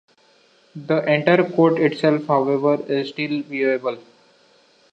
The entire court itself, however, is still viewable.